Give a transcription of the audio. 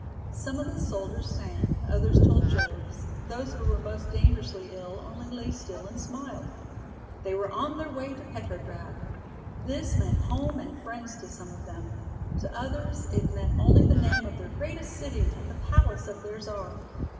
Some of the soldiers sang, others told jokes, those who were most dangerously ill only lay still and smiled. They were on their way to Petrograd! This meant home and friends to some of them. To others it meant only the name of their greatest city and the palace of their Czar.